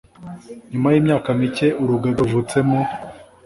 Nyuma y’imyaka mike Urugaga ruvutse mu